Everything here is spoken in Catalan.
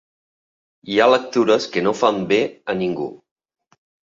Hi ha lectures que no fan bé a ningú.